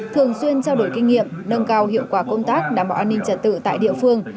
thường xuyên trao đổi kinh nghiệm nâng cao hiệu quả công tác đảm bảo an ninh trật tự tại địa phương